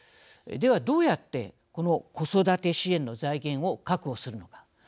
ではどうやってこの子育て支援の財源を確保するのか。